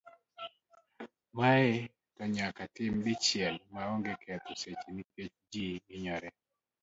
Mae to nyaka tim dichiel ma onge ketho seche nikech ji hinyore.